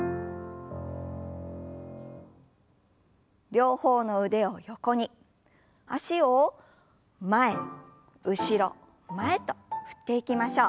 両方の腕を横に脚を前後ろ前と振っていきましょう。